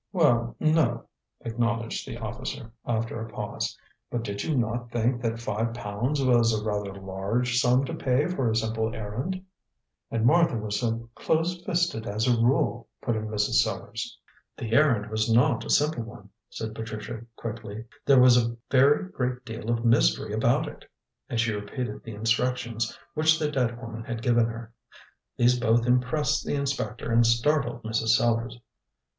"Well, no," acknowledged the officer, after a pause. "But did you not think that five pounds was a rather large sum to pay for a simple errand?" "And Martha was so close fisted as a rule," put in Mr. Sellars. "The errand was not a simple one," said Patricia quickly. "There was a very great deal of mystery about it," and she repeated the instructions which the dead woman had given her. These both impressed the inspector and startled Mrs. Sellars.